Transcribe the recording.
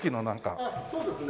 あっそうですね。